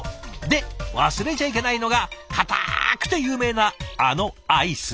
で忘れちゃいけないのがかたくて有名なあのアイス。